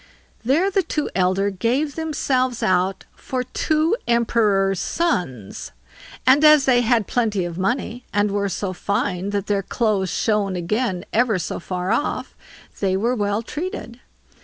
There the two elder gave themselves out for two emperor's sons, and as they had plenty of money, and were so fine that their clothes shone again ever so far off, they were well treated.